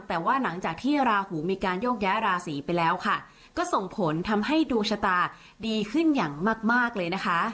แต่ว่าหลังจากที่ราหูมีการโยกย้ายราศีไปแล้วค่ะก็ส่งผลทำให้ดวงชะตาดีขึ้นอย่างมากเลยนะคะ